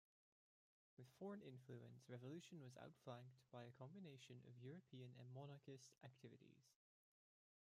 With foreign influence, revolution was outflanked by a combination of European and monarchist activities.